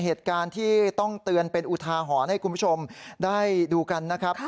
เหตุการณ์ที่ต้องเตือนเป็นอุทาหรณ์ให้คุณผู้ชมได้ดูกันนะครับ